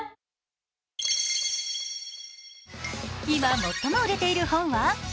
今最も売れている本は？